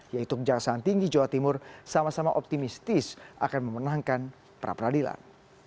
yaitu kejaksaan tinggi jawa timur sama sama optimistis akan memenangkan pra peradilan